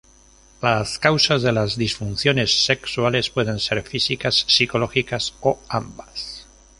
Las causas de las disfunciones sexuales pueden ser físicas, psicológicas o ambas.